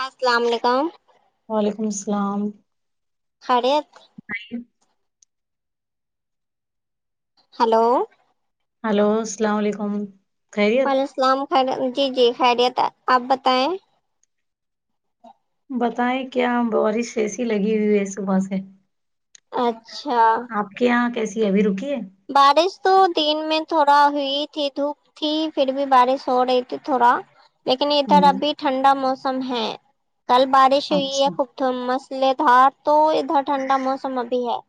السلام علیکم وعلیکم السلام خریت [unintelligible] ہلو ہلو اسلام علیکم خیریت وعلیکم السلام خیر جی جی خیریت ہیں آپ بتائیں بتائیں کیا بارش ایسی لگی ہوئی ہے صبح سے اچھا کیاں کیسی ہے ابھی رکی ہے بارش تو دن میں تھوڑا ہوئی تھی دھوپ تھی پھر بھی بارش ہو رہی تھی تھوڑا لیکن ادھر ہوں ابھی ٹھنڈا موسم ہے کل بارش ہوئی ہے اچھا خوب مسلہ دھار تو ادھر ٹھنڈا موسم ابھی ہے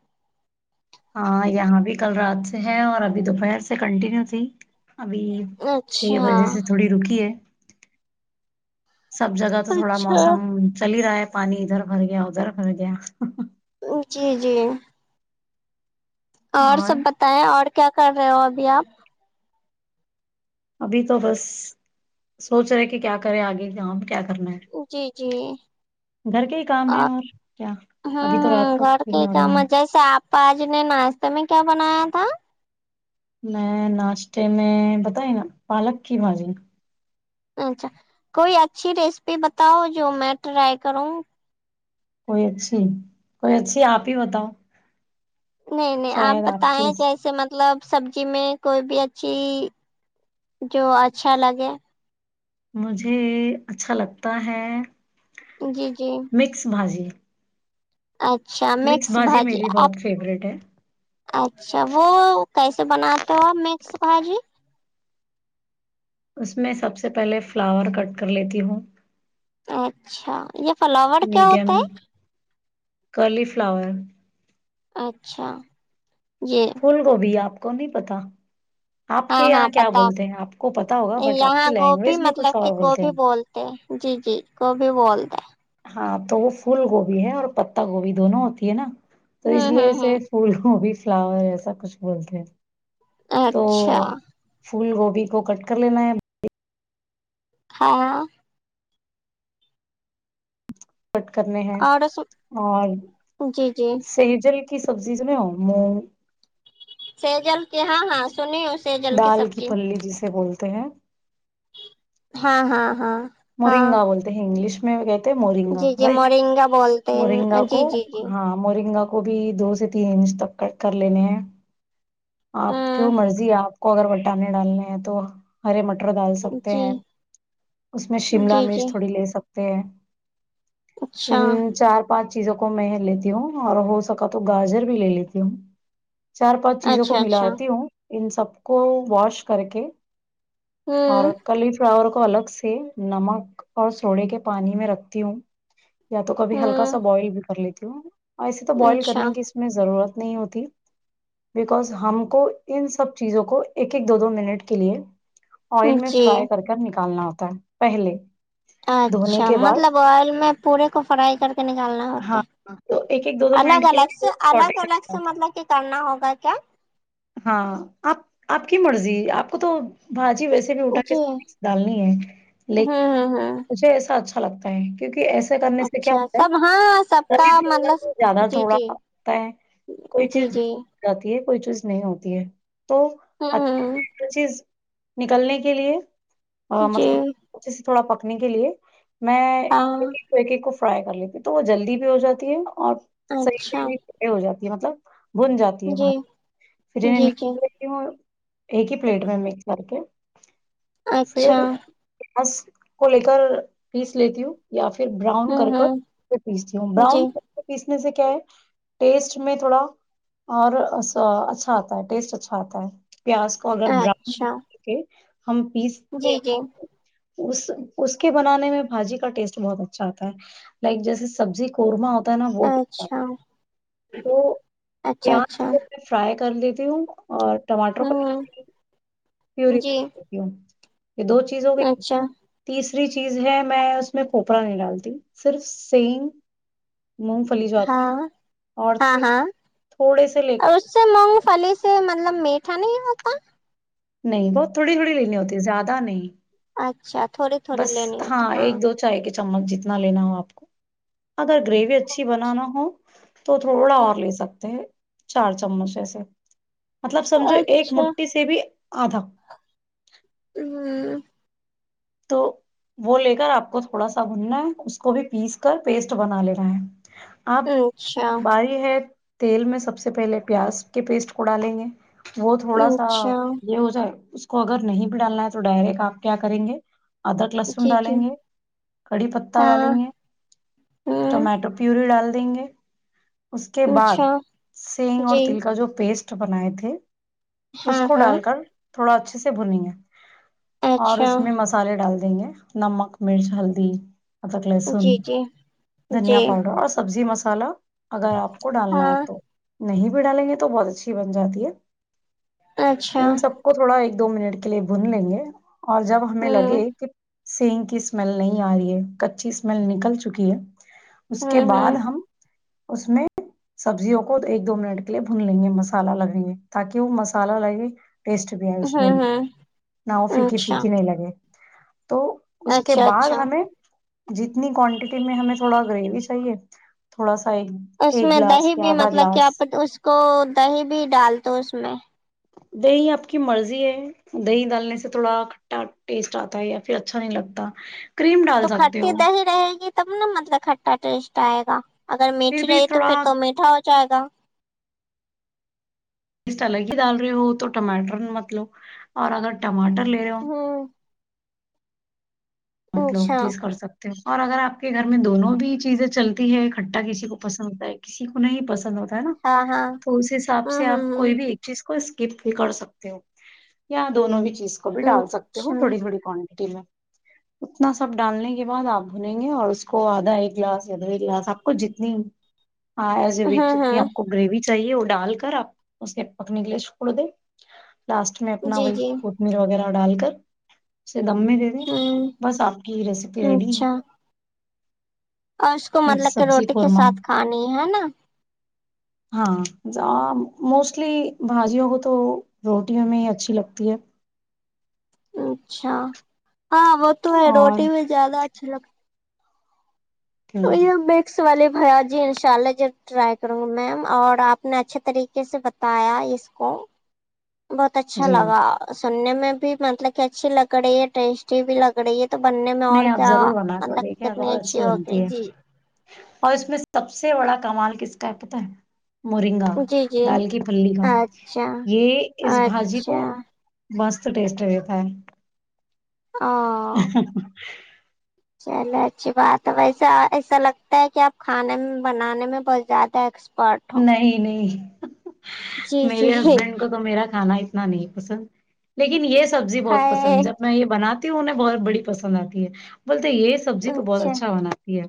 ہاں یہاں بھی کل رات سے ہے اور ابھی دوپہر سے کنٹینیو تھی ابھی چھ اچھا بجے سے تھوڑی رکی ہے سب جگہ تو تھوڑا موسم اچھا چل ہی رہا ہے پانی ادھر بھر گیا ادھر بھر گیا جی جی اور سب بتائے اور کیا کر رہے ہو ابھی آپ ابھی تو بس سوچ رہے کہ کیا کرے آگے جاں کیا کرنا ہے جی جی گھر کے ہی کام ہے اور کیا ھمم ابھی تو رات ھمم کا گھر کے کوکنگ کام وغیرہ جس آپ آج نے ناشتے میں کیا بنایا تھا میں ناشتے میں بتائی نا پالک کی بھاجی اچھا کوئی اچھی ریسیپی بتاؤ جو میں ٹرائی کروں کوئی اچھی کوئی اچھی آپ ہی بتاؤ نہیں نہیں آپ شاید کی بتائیں ریس کیسے مطلب سبزی میں کوئی بھی اچھی جو اچھا لگے مجھے اچھا لگتا ہے جی جی مکس بھاجی اچھا مکس بھاجی میری آپ بہت فیوریٹ ہے اچھا وہ کیسے بناتے ہو آپ مکس بھاجی اس میں سب سے پہلے فلاور کٹ کر لیتی ہوں اچھا یہ فلاور کیا میڈیم ہوتا ہے کرلی فلاور اچھا جی پھول گوبی آپ کو نہیں پتا آپ ہاں کے ہاں یہاں کیا پتا بولتے ہیں آپ کو پتا ہوگا بٹ آپ یہاں کی گوبھی لینگویج میں کچھ مطلب کہ اور بولتے گوبھی ہیں جی جی گوبی بولتے ہے ہاں تو وہ فھول گوبھی ہے اور پتا گوبھی دونوں ہوتی ہے نا تو اس ہوں لیے ہوں سے ہوں پھول وہ بھی فلاور ایسا کچھ بولتے ہیں تو اچھا پھول گوبھی کو کٹ کر لینا ہے ہاں کٹ کرنے ہیں اور اس اور جی جی سیجل کی سبزیز [unintelligible] میں سجل کے ہاں ہاں سنی ہو دال کی پلی جسے بولتے ہیں ہاں ہاں ہاں ہاں مورنگا بولتے ہیں انگلش میں اس میں کہتے مورنگا جی جی رائٹ مورنگا بولتے مورنگا ہیں کو جی جی جی ہاں مورنگا کو بھی دو سے تین انچ تک کٹ کر لینے ہیں آپ کیوں ہوں مرضی ہے آپ کو اگر وٹانے ڈالنے ہیں تو ہرے مٹر ڈال سکتے جی ہیں اس میں شملہ جی مرچ جی تھوڑی لے سکتے ہیں اچھا تین چار پانچ چیزوں کو میں لیتی ہوں اور ہو سکا تو گاجر بھی لے لیتی ہوں چار پانچ چیزوں کو اچھا اچھا ملاتی ہوں ان سب کو واش کر کے ہوں اور کلی فلاور کو الگ سے نمک اور سوڑے کے پانی میں رکھتی ہوں یا تو کبھی ہلکا ہوں سا بوائل بھی کر لیتی ہوں ایسے تو بوائل اچھا کرنی کی میں ضرورت نہیں ہوتی بکز ہم کو ان سب چیزوں کو ایک ایک دو دو منٹ کے لیے آئل میں جی فرائی کر کر نکالنا ہوتا ہے پہلے دھونے اچھا کے بعد مطلب آئل میں پورے کو فرائی کر کے نکالنا ہوتا ہاں تو ایک ایک دو دو الگ منٹ کے الگ سے لیے سوٹے الگ الگ کرنا سے ہوتا مطلب کہ کرنا ہوگا کیا ہاں آپ آپ کی مرضی آپ کو تو بھاجی ویسے بھی اٹا کے [unintelligible] ڈالنی ہے لیکن ہاں ہاں مجھے ایسا اچھا لگتا ہے کیونکہ ایسا کرنے سے کیا اچھا ہوتا ہے سب ہاں سب کا گلی فلیور مطلب بھی زیادہ جی تھوڑا جی ہوتا ہے جی جی ہوجاتی ہے کوئی چیز نہیں ہوتی ہے تو اپ ہوں چیز نکلنے کے لیے اں جی مطلب اچھے سے تھوڑا پکنے کے لیے میں ہاں ایک ایک کو فرائی کر لیتی تو وہ جلدی بھی ہو جاتی ہے اور اچھا صحیح ہو جاتی ہے مطلب بھن جاتی ہے وہاں جی پھر انہیں جی جی نکال کے وہ ایک ہی پلیٹ میں مکس کر کے اچھا پھر پس کو لے کر پیس لیتی ہوں یا پھر براؤن ہوں کر ہوں پیستی ہوں براؤن جی پیسنے سے کیا ہے ٹیسٹ میں تھوڑا اور ایسا اچھا آتا ہے ٹیسٹ اچھا آتا ہے پیاز کو اگر براؤن اچھا کر کے ہم پیس جی جی اس اس کے بنانے میں بھاجی کا ٹیسٹ بہت اچھا آتا ہے لائک جیسے سبزی قورمہ ہوتا ہے نا وہ ٹ اچھا تو اچھا پیاز اچھا کو میں فرائی کر لیتی ہوں اور ٹماٹر کو ہوں پیوری جی کرلیتی ہوں یہ دو چیز ہو گئی اچھا تیسری چیز ہے میں اس میں پھوپڑا نہیں ڈالتی صرف سنگ مونگ پھلی جاتی ہے ہاں اور ہاں ہاں تھوڑے سے لے اور کر اس سے مونگ فھلی سے مطلب میٹھا نہیں ہوتا نہیں تو تھوڑی تھوڑی لینی ہوتی ہے زیادہ نہیں اچھا تھوڑی تھوڑی بس لینی ہوتی ہاں ایک دو چائے کے چمچ جتنا لینا ہو آپ کو اگر گریوی اچھی بنانا ہو تو تھوڑا اور لے سکتے ہیں چار چمچ ایسے مطلب سمجھو ایک اچھا مٹی سے بھی آدھا ہوں تو وہ لے کر آپ کو تھوڑا سا بھنا ہے اس کو بھی پیس کر پیسٹ بنا لینا ہے آپ اچھا باری ہے تیل میں سب سے پہلے پیاز کے پیسٹ کو ڈالیں گے وہ تھوڑا سا اچھا یہ ہو جائے اس کو اگر نہیں بھی ڈالنا ہے تو ڈائریک آپ کیا کریں گے ادرک لہسن جی جی ڈالیں گے کڑی پتا ہاں ڈالیں گے ہوں ٹما ٹر پیوری ڈال دیں گے اس کے اچھا بعد سینگ اور جی تل کا جو پیسٹ بناے تھے اس ہاں کو ہاں ڈال کر تھوڑا اچھے سے بھونے گے اور اچھا اس میں مسالے ڈال دیں گے نمک مرچ ہلدی ادرک لہسن جی جی دھنیا جی پاؤڈر اور سبزی مسالہ اگر آپ کو ڈالنا ہو ہاں تو نہیں بھی ڈالیں گے تو بہت اچھی بن جاتی ہے اچھا ان سب کو تھوڑا ایک دو منٹ کے لیے بھون لیں گے اور جب ہمیں لگے ہوں کہ سینگ کی اسمیل نہیں آ رہی ہے کچی اسمیل نکل چکی ہے اس کے ہوں ہوں بعد ہم اس میں سبزیوں کو ایک دو منٹ کے لیے بھن لیں گے مسالہ لگیں گے تاکہ وہ مسالہ لگے ٹیسٹ بھی آۓ اس میں بھی ہوں ہوں نہ وہ پھیکی اچھا پھیکی نہیں لگے تو اس کے اچھا بعد اچھا ہمیں جتنی کوانٹٹی میں ہمیں تھوڑا گریوی چاہیے تھوڑا سا ایک اس ایک میں گلاس دہی یا بھی آدھا مطلب کیا گلاس اس کو دہی بھی ڈال دو اس میں دہی آپ کی مرضی ہے دہی ڈالنے سے تھوڑا کھٹا ٹیسٹ آتا ہے یا پھر اچھا نہیں لگتا کریم تو ڈال سکتے کھٹی ہو دہی رہے گی تب نا مطلب کھٹا ٹیسٹ آئے گا اگر پھر میٹھی بھی رہے تو تھوڑا پھر تو میٹھا ہو جائے گا پیسٹ الگ ہی ڈال رہے ہو تو ٹماٹر مت لو اور اگر ٹماٹر لے رہے ہو ہوں مطلب اچھا ٹیسٹ کر سکتے اور اگر آپ کے گھر میں دونوں بھی چیزیں چلتی ہے کھٹا کسی کو پسند کا ہے کسی کو نہیں پسند ہوتا ہے نا ہاں ہاں تو اس حساب سے ہوں آپ ہوں کوئی بھی چیز کو اسکپ بھی کر سکتے ہو یا دونوں بھی چیز کو بھی ہوں ڈال سکتے اچھا ہو تھوڑی تھوڑی کوانٹٹی میں اتنا سب ڈالنے کے بعد آپ بھنے گے اور اس کو آدھا ایک گلاس یا دو گلاس آپ کو جتنی ہاں ایس یور وش ہاں جتنی ہاں آپ کو گریوی چاہیے وہ ڈال کر آپ اسے پکنے کے لیےچھوڑ دے لاسٹ اس میں اپنا جی وہی جی کوتھمیر وغیرہ ڈال کر اسے دم میں دے دیں ہوں بس آپ کی یہ ریسیپی ریڈی ہے اچھا اور اس کو مکس مطلب کہ سبزی روٹی کے قورمہ ساتھ کھانی ہے نا ہاں زا موسٹلی بھاجیوں کو تو روٹیوں میں اچھی لگتی ہے اچھا ہاں وہ تو ہے اور روٹی میں زیادہ اچھا لگتی ہ یہ میکس والے بھیا جی ان شاء اللہ جب ٹرائی کروں گی میم اور آپ نے اچھے طریقے سے بتایا اس کو بہت اچھا جی لگا سننے میں بھی مطلب کہ اچھی لگری ہے ٹیسٹی بھی لگری ہے تو بننے میں اور نہیں آپ کیا ضرور بنا کر مطلب دیکھیں کتنی بہت اچھی ہوگی بنتی ہے جی اور اس میں سب سے بڑا کمال کس کا ہے پتا ہے مورنگا جی جی دال کی پھلی کا اچھا یہ اس بھاجی کو اچھا مست ٹیسٹ رہتا ہے آں ہی ہی ہی۔۔۔۔ چلو اچھی بات ہے ویسا ایسا لگتا ہے کہ آپ کھانے میں بنانے میں بہت زیادہ سپوٹ نہیں نہیں جی جی میرے ہسبینڈ کو تو میرا کھانا نہیں پسند لیکن یہ سبزی بہت ہائے پسند جب میں یہ بناتی ہوں انھیں بہت بڑی پسند آتی ہے بولتے یہ سبزی تو بہت اچھا بنا یہ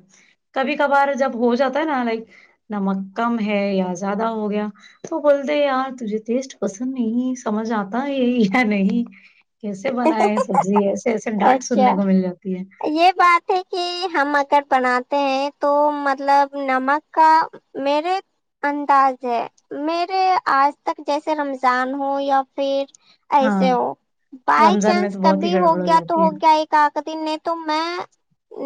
کبھی کبھار جب ہو جاتا ہے نا لائک نمک کم ہے یا زیادہ ہو گیا تو بولتے یار تجھے ٹیسٹ پسند نہیں سمجھ آتا یہ یا نہیں کیسے بنائے سبزی ایسے ایسے ڈانٹ سننے اچھا کو مل جاتی ہے یہ بات کہ ہم اگر بناتے ہیں تو مطلب نمک کا میرے انداز ہے میرے آج تک جیسے رمضان ہو یا پھر ہاں ایسے ہو بائی رمضان میں چانس تو بہت ہی کبھی ہو گڑبڑ گیا تو جاتی ہے ہو گیا ایک کاد دن نے تو میں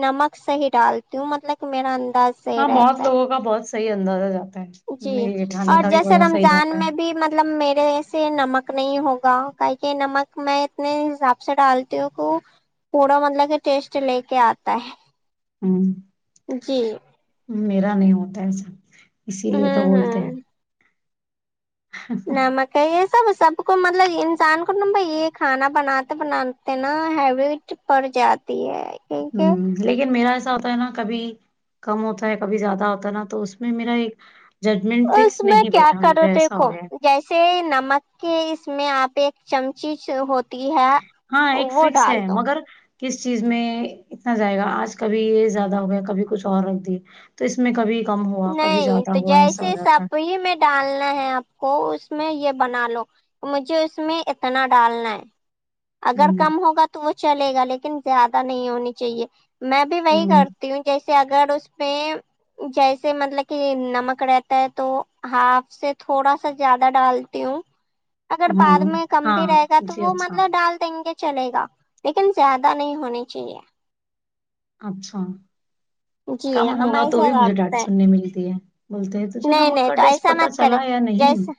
نمک صحیح ڈالتی ہوں مطلب کہ میرا انداز صحیح ہاں بہت رہتا ہے لوگوں کا بہت صحیح اندازہ جاتا ہے جی میری جیٹھانی اور کا بھی جیسے بڑا صحیح رمضان جاتا میں بھی مطلب میرے سے نمک نہیں ہوگا کہہ کہ نمک میں اتنے حساب سے ڈالتی ہوں کہ پڑا مطلب کہ ٹیسٹ لے کے آتا ہے ہوں جی میرا نہیں ہوتا ایسا اسی لیے تو ہوں بولتے ہوں ہیں نہ مکائی یہ سب سب کو مطلب انسان کو ناں بھائی یہ کھانا بناتے بناتے ناں ہیبٹ پڑ جاتی ہے کیونکہ ہوں لیکن میرا ایسا ہوتا ہے ناں کبھی کم ہوتا ہے کبھی زیادہ ہوتا ہے ناں تو اس میں میرا ایک ججمنٹ اس فکس میں نہیں کیا بیٹھا کرو مجھے ایسا ہو دیکھو گیا ہے جیسے نمک کے اس میں آپ ایک چمچی ہو تی ہے ہاں ایک وہ فکس ہے ڈال دو مگر کس چیز میں اتنا جائے گا آج کبھی یہ زیادہ ہو گیا کبھی کچھ اور رکھ دیا تو اس میں کبھی کم ہوا کبھی نہیں زیادہ تو ہوا ایسا ہو جیسے جاتا ہے سپری میں ڈالنا ہے آپ کو اس میں یہ بنا لو مجھے اس میں اتنا ڈالنا ہے اگر ہوں کم ہوگا تو وہ چلے گا لیکن زیادہ نہیں ہونی چاہیے میں بھی وہی کر تی ہوں جیسے اگر اس میں جیسے سے مطلب کہ نمک رہتا ہے تو ہاف سے تھوڑا سا زیادہ ڈالتی ہوں اگر ہاں بعد میں کم بھی رہے گا ہاں تو جی وہ اچھا مطلب ڈال دیں گے چلے گا لیکن زیادہ نہیں ہونی چاہیے اچھا کم جی ہم ہوگا تو ایسا بھی مجھے کرتے ڈانٹ ہیں سننے ملتی ہے بولتے ہیں تجھے نہیں نمک نہیں کا تو ٹیسٹ ایسا پتہ مت کرے چلا یا نہیں جیسے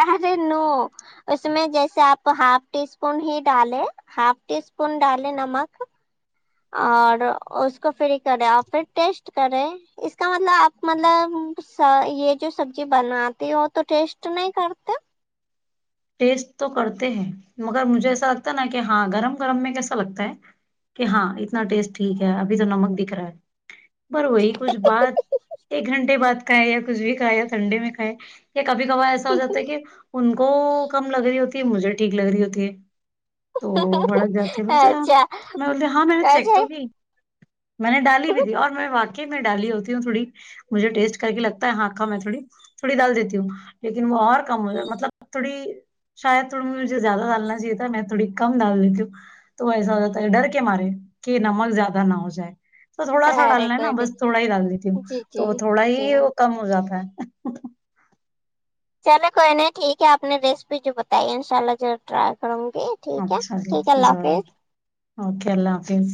ارے نو اس میں جیسے آپ ہاف ٹی اسپون ہی ڈالیں ہاف ٹی اسپون ڈالیں نمک اور اس کو فری کرے اور پھر ٹیسٹ کرے اس کا مطلب آپ مطلب یہ جو سبزی بناتی ہو تو ٹیسٹ نہیں کرتے ٹیسٹ تو کرتے ہیں مگر مجھے ایسا لگتا ہے نا کہ ہاں گرم گرم میں کیسا لگتا ہے کہ ہاں اتنا ٹیسٹ ٹھیک ہے ابھی تو نمک دکھ رہا ہے پر وہی کچھ بات ایک گھنٹے بعد کھائے یا کچھ بھی کھائے یا ٹھنڈے میں کھائے یا کبھی کبار ایس ایسا ہوجاتا ہے کہ ان کو کم لگ رہی ہوتی ہے مجھے ٹھیک لگ رہی ہوتی ہے تو بھڑک جاتے بولتے اچھا میں بولتی ہاں میں چیک اچھا تو کی میں نے ڈالی بھی دی اور میں واقع میں ڈالی ہوتی ہوں تھوڑی مجھے ٹیسٹ کرکے لگتا ہے ہاں کم ہے تھوڑی تھوڑی ڈال دیتی ہوں لیکن وہ اور کم ہو جا مطلب تھوڑی شاید تھوڑی مجھے زیادہ ڈالنا چاہیے تھا میں تھوڑی کم ڈال دیتی ہوں تو ایسا ہو جاتا ہے ڈر کے مارے کہ نمک زیادہ نہ ہوجائے تو تھوڑا سا ارے ڈالنا ہے کوئی ناں نہیں بس تھوڑا ہی ڈال دیتی ہوں جی تو جی وہ تھوڑا ہی جی وہ کم ہوجاتا ہے چلے کوئی نہیں ٹھیک ہے آپ نے ریسیپی جو بتائی ہے ان شاء اللہ جو ٹرائی کروں گی ٹھیک ہے اچھا جی ٹھیک ہے اللہ ضرور حافظ اوکے اللہ حافظ